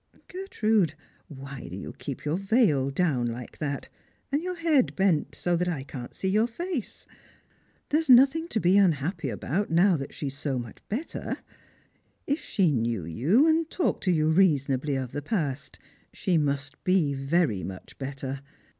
Gertrude, why do you keep your veil down like that, and jHjur head bent so that I can't see your face? There is nothing to be unhappy al)out now that she is so mucli better. If she knew you and talked to you reasonably of the past, she must be very much better.